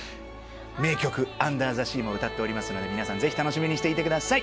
名曲『アンダー・ザ・シー』も歌っておりますので皆さんぜひ楽しみにしていてください。